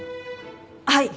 はい！